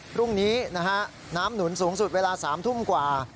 พรุ่งนี้นะฮะน้ำหนุนสูงสุดเวลา๓ทุ่มกว่า